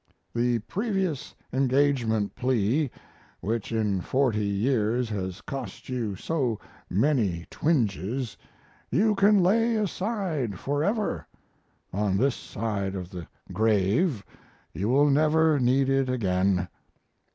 The previous engagement plea, which in forty years has cost you so many twinges, you can lay aside forever; on this side of the grave you will never need it again.